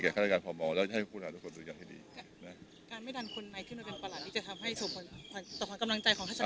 แก่ขธิการภอมอแล้วจะให้คุณหาทุกคนดูอย่างที่ดีอ่ะจับ